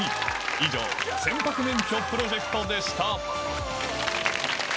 以上、船舶免許プロジェクトでした。